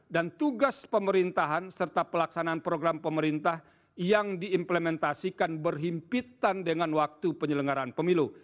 dan tugas pemerintahan serta pelaksanaan program pemerintah yang diimplementasikan berhimpitan dengan waktu penyelenggaraan pemilu